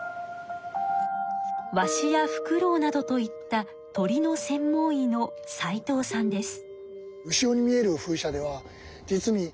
ワシやフクロウなどといった鳥の専門医の齊藤さんです。